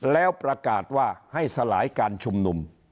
แล้วประกาศว่าให้สลายการชุมนุม